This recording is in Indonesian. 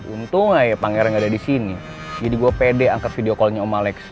untung aja pangeran gak ada di sini jadi gue pede angkat video callnya om malex